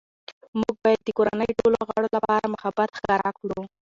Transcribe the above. موږ باید د کورنۍ ټولو غړو لپاره محبت ښکاره کړو